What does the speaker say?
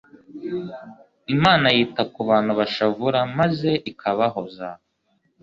Imana yita ku bantu bashavura maze ikabahoza.